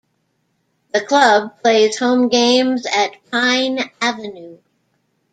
The club plays home games at "Pine Avenue".